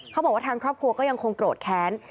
เขาบอกว่าทางครอบครัวก็ยังคงโกรธแค้น